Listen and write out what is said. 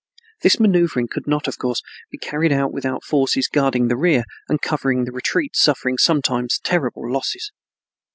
This maneuvering could not, of course, be carried out without the forces guarding the rear and covering the retreat suffering sometimes terrible losses.